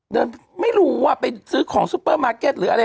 ไม่รู้ว่าไปซื้อของซุปเปอร์มาร์เก็ตหรืออะไร